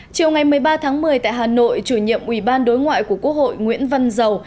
chiều ngày một mươi ba tháng một mươi tại hà nội chủ nhiệm ủy ban đối ngoại của quốc hội nguyễn văn dầu